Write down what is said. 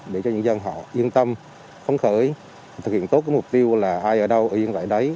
để cho những dân họ yên tâm phóng khởi thực hiện tốt mục tiêu là ai ở đâu yên tại đấy